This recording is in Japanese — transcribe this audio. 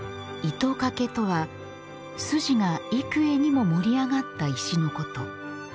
糸掛とは、筋が幾重にも盛り上がった石のこと。